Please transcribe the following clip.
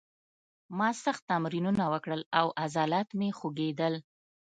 ما سخت تمرینونه وکړل او عضلات مې خوږېدل